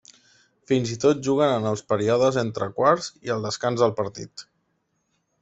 Fins i tot juguen en els períodes entre quarts i al descans del partit.